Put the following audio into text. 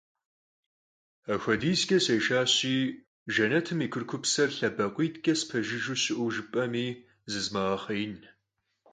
Apxuedizç'e sêşşaşi Jjenetım yi kurıkupser lhebakhuitç'e spejjıjjeu şı'eu jjıp'emi zızmığexhêin.